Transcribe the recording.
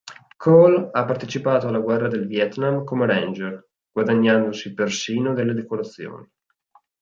Cole ha partecipato alla Guerra del Vietnam come ranger, guadagnandosi persino delle decorazioni.